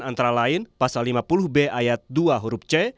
antara lain pasal lima puluh b ayat dua huruf c